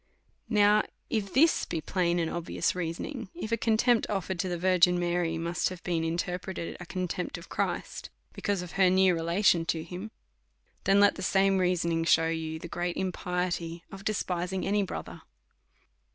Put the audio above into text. Now if this be plain and obvious reasoning, if a contempt offered to tlie Virgin Mary must have been interpreted a contempt of Christ, because of her near relation to him ; then let the same reason shew you the great impiety of despising any brother.